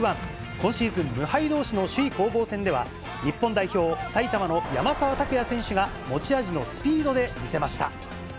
今シーズン無敗どうしの首位攻防戦では、日本代表、埼玉の山沢拓也選手が持ち味のスピードで見せました。